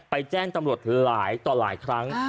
แจ้งตำรวจหลายต่อหลายครั้ง